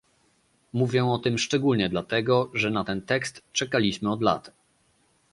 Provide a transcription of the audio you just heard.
Mówię o tym szczególnie dlatego, że na ten tekst czekaliśmy od lat